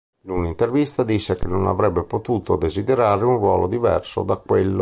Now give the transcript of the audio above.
In un'intervista disse che non avrebbe potuto desiderare un ruolo diverso da quello.